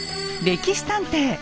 「歴史探偵」。